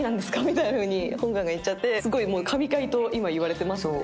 みたいなふうに本官が言っちゃってすごい神回と今言われてますね。